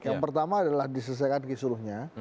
yang pertama adalah diselesaikan kisuruhnya